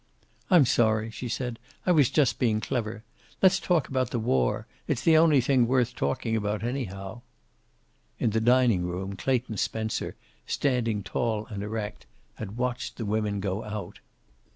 "I'm sorry," she said. "I was just being clever! Let's talk about the war. It's the only thing worth talking about, anyhow." In the dining room Clayton Spencer, standing tall and erect, had watched the women go out.